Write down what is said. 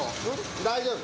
大丈夫。